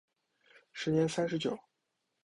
时年三十九。